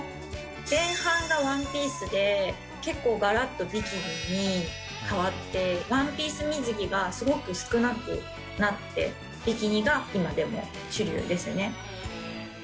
前半がワンピースで、結構、がらっとビキニに変わって、ワンピース水着がすごく少なくなって、ビキニが今でも主流ですね。